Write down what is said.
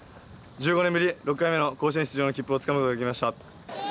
１５年ぶり６回目の甲子園出場の切符をつかむことができました。